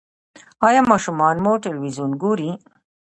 ایا ماشومان مو تلویزیون ګوري؟